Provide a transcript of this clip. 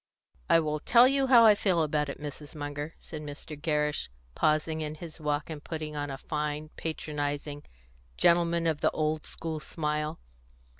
"I will tell you how I feel about it, Mrs. Munger," said Mr. Gerrish, pausing in his walk, and putting on a fine, patronising, gentleman of the old school smile.